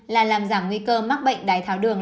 là làm giảm nguy cơ mắc bệnh đái tháo đường